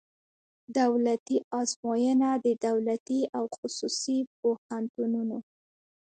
دولتي آزموینه د دولتي او خصوصي پوهنتونونو